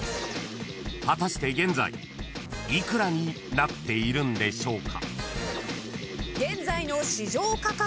［果たして現在幾らになっているんでしょうか？］